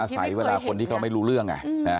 ใส่เวลาคนที่เขาไม่รู้เรื่อง